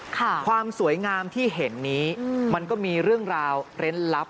ความสวยงามที่เห็นนี้มันก็มีเรื่องราวเร้นลับ